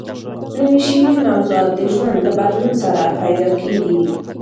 نوي شعري موضوعات د ژوند له بدلون سره پیدا کېږي.